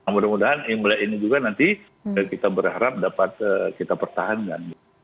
mudah mudahan imlek ini juga nanti kita berharap dapat kita pertahankan